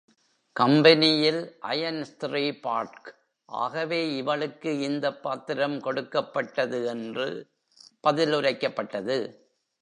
கம்பெனியில் அயன் ஸ்திரீ பார்ட்க் ஆகவே இவளுக்கு இந்தப் பாத்திரம் கொடுக்கப்பட்டது என்று பதில் உரைக்கப்பட்டது.